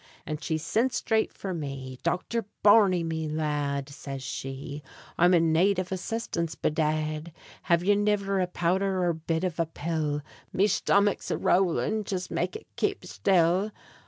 And she sint straight for me: "Dochther Barney, me lad," Says she, "I'm in nade av assistance, bedad! Have yez niver a powdher or bit av a pill? Me shtomick's a rowlin'; jist make it kape shtill!"